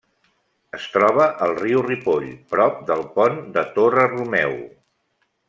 Es troba al riu Ripoll, prop del pont de Torre-romeu.